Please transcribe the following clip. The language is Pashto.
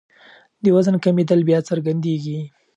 د وزن کمېدل بیا څرګندېږي.